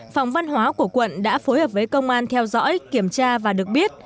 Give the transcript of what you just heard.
phòng văn hóa của quận đã phối hợp với công an theo dõi kiểm tra và được biết